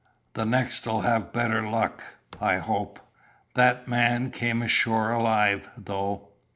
The next'll have better luck, I hope." That man came ashore alive, though.